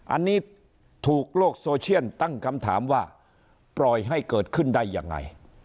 อันนี้ถูกโลกโซเชียลตั้งคำถามว่าปล่อยให้เกิดขึ้นได้ยังไง